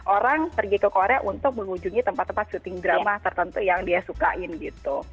orang pergi ke korea untuk mengunjungi tempat tempat syuting drama tertentu yang dia sukain gitu